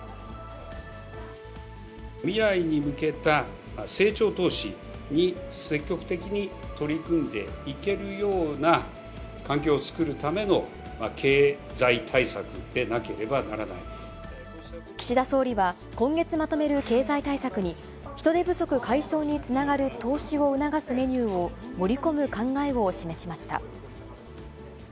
未来に向けた成長投資に積極的に取り組んでいけるような環境を作るための経済対策でなければ岸田総理は、今月まとめる経済対策に、人手不足解消につながる投資を促すメニューを盛り込む考えを示しました。